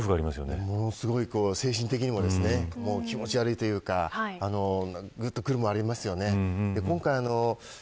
精神的にも気持ち悪いというかぐっとくるものありますよね。